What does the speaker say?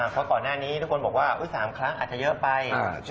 เพราะก่อนหน้านี้ทุกคนบอกว่า๓ครั้งอาจจะเยอะไป